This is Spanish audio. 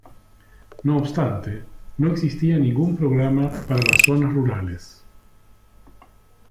No obstante, no existía ningún programa para las zonas rurales.